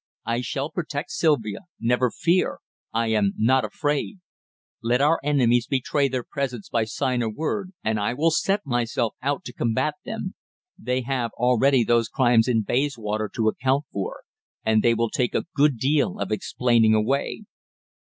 "I shall protect Sylvia, never fear. I am not afraid. Let our enemies betray their presence by sign or word, and I will set myself out to combat them. They have already those crimes in Bayswater to account for. And they will take a good deal of explaining away."